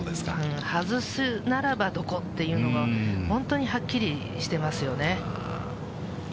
外すならばどこっていうのが、本当にはっきりしてますよね。